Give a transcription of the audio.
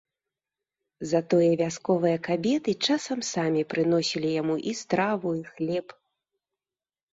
Затое вясковыя кабеты часам самі прыносілі яму і страву, і хлеб.